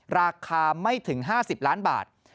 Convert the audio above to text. ราคาไม่ถึง๕๐ล้านบาท